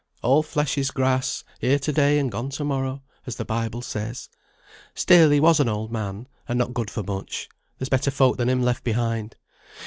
All flesh is grass; here to day and gone to morrow, as the Bible says. Still he was an old man, and not good for much; there's better folk than him left behind.